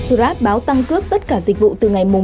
grab báo tăng cước tất cả dịch vụ từ ngày một